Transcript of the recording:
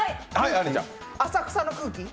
浅草の空気？